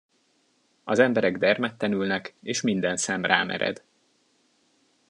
Az emberek dermedten ülnek, és minden szem rámered.